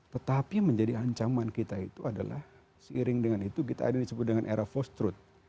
tetapi menjadi ancaman kita itu adalah seiring dengan itu kita ada yang disebut dengan era post truth